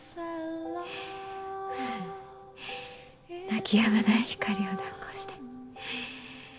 泣きやまないひかりを抱っこして。